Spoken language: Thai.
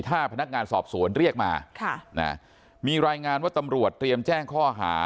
ถ้าพนักงานสอบสวนเรียกมามีรายงานว่าตำรวจเตรียมแจ้งข้อหา